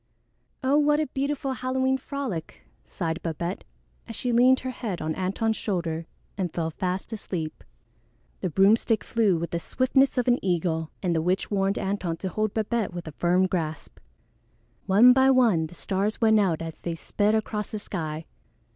"Oh, what a beautiful Halloween frolic," sighed Babette as she leaned her head on Antone's shoulder and fell fast asleep. The broomstick flew with the swiftness of an eagle, and the witch warned Antone to hold Babette with a firm grasp. One by one the stars went out as they sped across the sky.